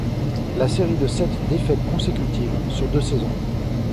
La série de sept défaites consécutives, sur deux saisons.